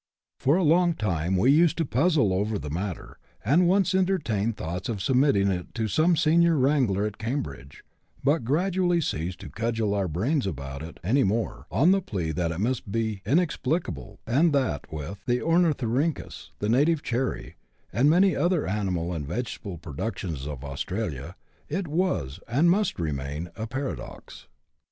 For a long time we used to puzzle over the matter, and once entertained thoughts of submitting it to some senior wrangler at Cambridge ; but gradually ceased to cudgel our brains about it any more, on the plea that it must be inexplicable, and that, with the ornithorhynchus, the native cherry, and many other animal and vegetable productions of Australia, it was, and must remain, a paradox.